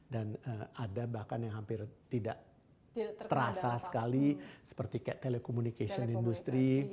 dan ada bahkan yang hampir tidak terasa sekali seperti telecommunication industry